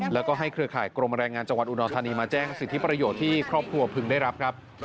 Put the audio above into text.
แล้วก็ให้เครือข่ายกรมแรงงานจังหวัดอุดรธานีมาแจ้งสิทธิประโยชน์ที่ครอบครัวพึงได้รับครับ